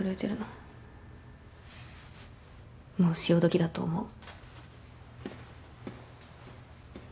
もう潮時だと思う。